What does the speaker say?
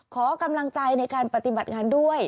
ขอกำลังใจในการปฏิบัติงานด้วย